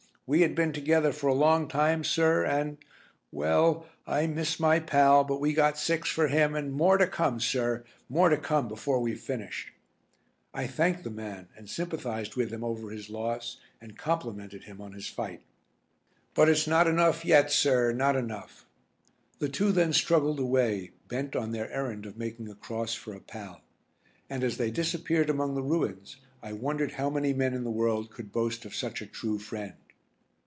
We had been together for a long time, sir, and well I miss my pal, but we got six for him and more to come, sir, more to come before we've finished." I thanked the man and sympathised with him over his loss and complimented him on his fight. "But it's not enough yet, sir, not enough." The two then struggled away, bent on their errand of making a cross for a pal. And as they disappeared among the ruins I wondered how many men in the world could boast of such a true friend.